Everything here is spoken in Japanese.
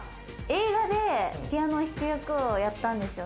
映画でピアノ弾く役、役やったんですよ。